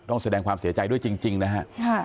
ต้องแสดงความเสียใจด้วยจริงนะฮะ